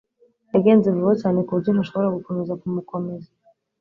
Yagenze vuba cyane kuburyo ntashobora gukomeza kumukomeza